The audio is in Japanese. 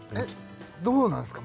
どうなんすか？